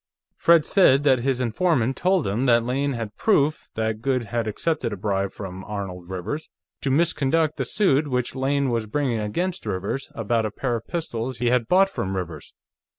"Fred said that his informant told him that Lane had proof that Goode had accepted a bribe from Arnold Rivers, to misconduct the suit which Lane was bringing against Rivers about a pair of pistols he had bought from Rivers.